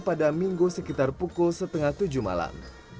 pada minggu sekitar pukul setengah tujuh malam